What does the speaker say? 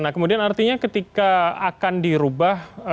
nah kemudian artinya ketika akan dirubah